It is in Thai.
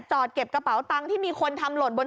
จอดเก็บกระเป๋าตังค์ที่มีคนทำหล่นบน